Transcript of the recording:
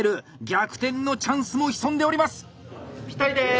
逆転のチャンスも潜んでおります！